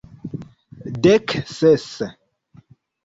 Dek ses!